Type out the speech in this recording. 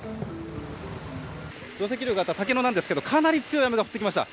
土石流があった竹野ですがかなり強い雨が降ってきました。